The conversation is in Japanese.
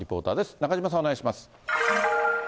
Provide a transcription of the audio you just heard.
中島さん、お願いします。